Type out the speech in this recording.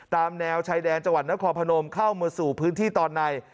ตามแนวชายแดนจังหวัดนครพนมเข้ามาสู่พื้นที่ตอนใน